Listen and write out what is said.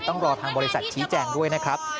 ต้องรอทางบริษัทชี้แจงด้วยนะครับ